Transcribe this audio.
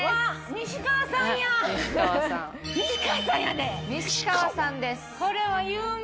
西川さんです。